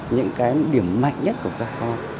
những cái điểm mạnh nhất của các con